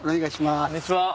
こんにちは。